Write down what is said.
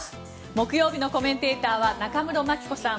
木曜日のコメンテーターは中室牧子さん